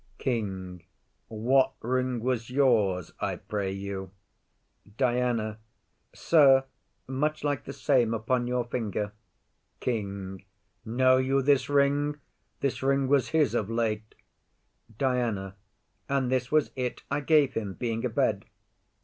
KING. What ring was yours, I pray you? DIANA. Sir, much like The same upon your finger. KING. Know you this ring? This ring was his of late. DIANA. And this was it I gave him, being abed.